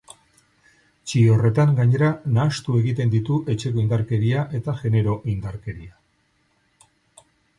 Txio horretan, gainera, nahastu egiten ditu etxeko indarkeria eta genero indarkeria.